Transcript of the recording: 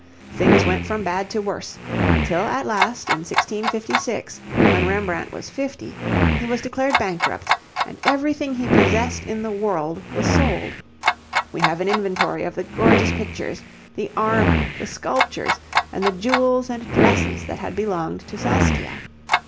Things went from bad to worse, until at last, in 1656, when Rembrandt was fifty, he was declared bankrupt, and everything he possessed in the world was sold. We have an inventory of the gorgeous pictures, the armour, the sculptures, and the jewels and dresses that had belonged to Saskia.